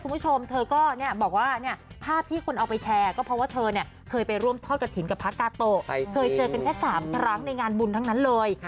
เคยเจอกันแค่สามครั้งในงานบุญทั้งหน้าเลย